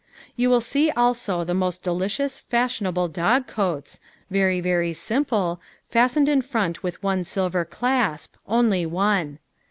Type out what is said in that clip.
You will see also the most delicious, fashionable dog coats, very, very simple, fastened in front with one silver clasp, only one.